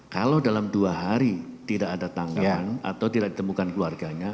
kalau dalam dua hari tidak ada tangan atau tidak ditemukan keluarganya